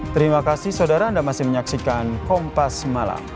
terima kasih saudara anda masih menyaksikan kompas semalam